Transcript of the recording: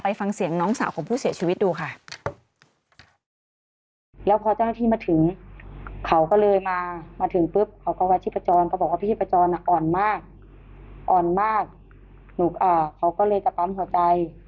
อ้าวเขาก็เลยจะปั๊มหัวใจ